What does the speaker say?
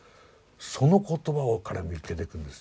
その言葉を彼見っけてくるんですよ。